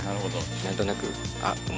何となくあっおお！